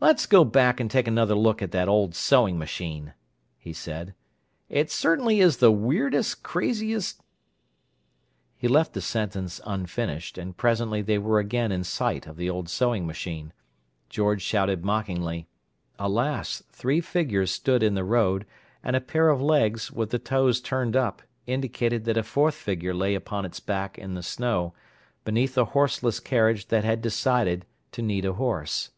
"Let's go back and take another look at that old sewing machine," he said. "It certainly is the weirdest, craziest—" He left the sentence unfinished, and presently they were again in sight of the old sewing machine. George shouted mockingly. Alas! three figures stood in the road, and a pair of legs, with the toes turned up, indicated that a fourth figure lay upon its back in the snow, beneath a horseless carriage that had decided to need a horse.